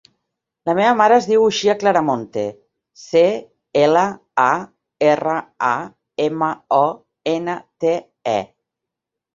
La meva mare es diu Uxia Claramonte: ce, ela, a, erra, a, ema, o, ena, te, e.